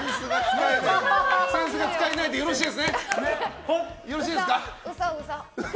扇子が使えないでよろしいですか？